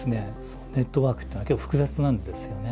ネットワークっていうのは結構複雑なんですよね。